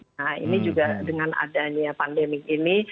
nah ini juga dengan adanya pandemi ini